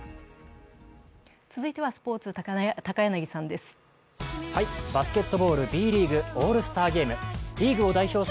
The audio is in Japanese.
続いてはスポーツ、高柳さんです。